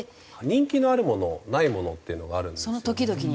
人気のあるものないものっていうのがあるんですよね。